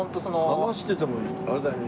話しててもあれだよね